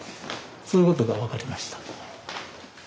そういうことが分かりました。